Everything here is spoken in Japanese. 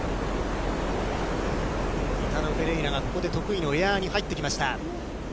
イタロ・フェレイラがここで得意のエアーに入ってきました。